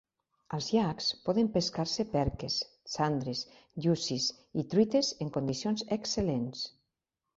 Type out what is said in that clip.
Als llacs poden pescar-se perques, sandres, llucis i truites en condicions excel·lents.